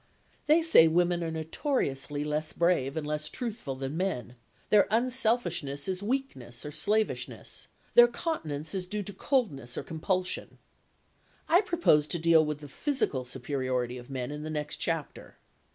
They say women are notoriously less brave and less truthful than men; their unselfishness is weakness or slavishness, their continence is due to coldness or compulsion. I propose to deal with the physical superiority of men in the next chapter.